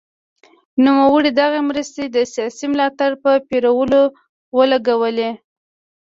نوموړي دغه مرستې د سیاسي ملاتړ په پېرلو ولګولې.